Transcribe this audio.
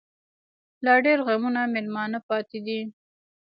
لا ډيـر غمـــــونه مېلـــمانه پــاتې دي